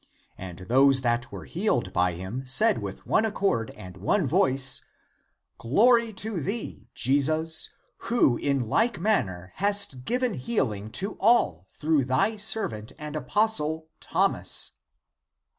And those that were healed by him said with one accord and one voice, " Glory to thee, Jesus, who in like manner hast given healing to all through thy servant and apostle Thomas!